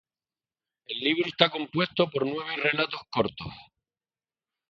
El libro está compuesto por nueve relatos cortos.